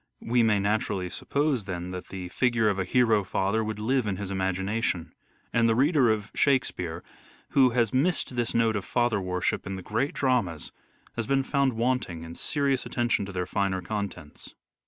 We may naturally suppose, then, that the figure of a hero father would live in his imagination ; and the reader of " Shakespeare " who has missed this note of father worship in the great dramas has been found wanting in serious attention to their finer contents.